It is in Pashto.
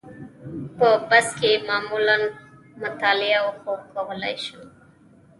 په بس کې معمولاً مطالعه او خوب کولای شم.